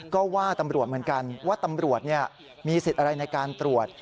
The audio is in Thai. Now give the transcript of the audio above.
ก็ว่าตำรวจเหมือนกันว่าตำรวจมีสิทธิ์อะไรในการตรวจ